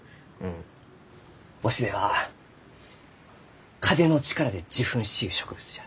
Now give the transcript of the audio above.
雄しべは風の力で受粉しゆう植物じゃ。